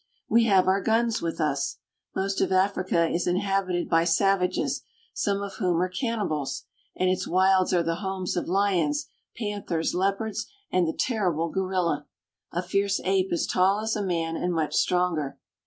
We have our guns with us. Most of Africa is inhabited by savages, some of whom are cannibals ; and its wilds are the homes of lions, panthers, leopards, and the terrible gorilla, a fierce ape as tall as a man and much stronger.